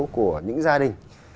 của những gia đình